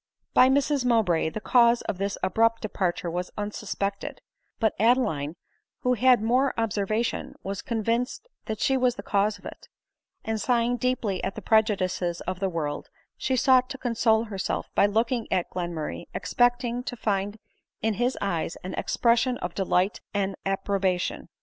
By Mrs Mowbray, the cause of this abrupt departure was unsuspected ; but Adeline, who had more observa tion, was convinced that she was the cause of it ; and sighing deeply at the prejudices of the world, she sought to console herself by looking at Glenmurray, expecting to find in his eyes an expression of delight and approba tion.